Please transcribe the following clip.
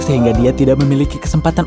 sehingga dia tidak memiliki kesempatan